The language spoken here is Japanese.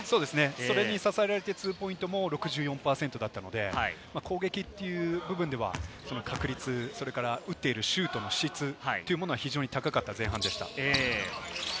それに支えられてツーポイントも６４％だったので、攻撃という部分ではその確率、打っているシュートの質というものは、非常に高かった前半でした。